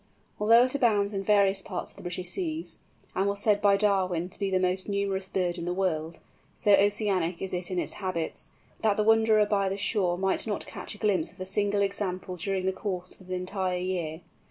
Although it abounds in various parts of the British seas, and was said by Darwin to be the most numerous bird in the world, so oceanic is it in its habits, that the wanderer by the shore might not catch a glimpse of a single example during the course of an entire year.